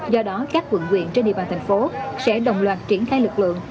do đó các quận quyện trên địa bàn thành phố sẽ đồng loạt triển khai lực lượng